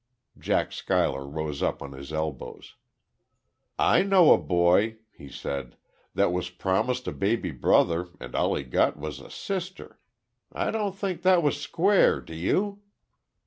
Jack Schuyler rose up on his elbows. "I know a boy," he said, "that was promised a baby brother and all he got was a sister.... I don't think that was square, do you?"